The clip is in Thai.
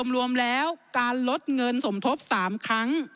รวมแล้วการลดเงินสมทบ๓ครั้ง